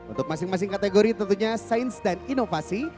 untuk masing masing kategori tentunya sains dan inovasi